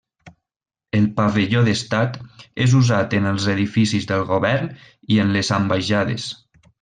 El pavelló d'Estat és usat en els edificis del govern i en les ambaixades.